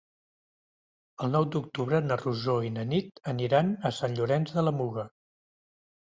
El nou d'octubre na Rosó i na Nit aniran a Sant Llorenç de la Muga.